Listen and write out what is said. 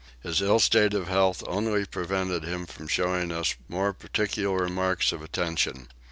His ill state of health only prevented him from showing us more particular marks of attention.